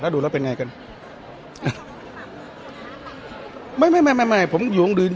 กลับมาพี่เข้ามันทำอะไรกันหรือครับ